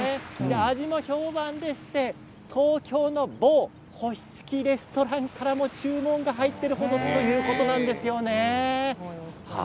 味も評判でして東京の某星付きレストランからも注文が入っているということなんですよね。